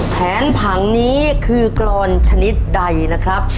แผนผังนี้คือกรอนชนิดใดนะครับ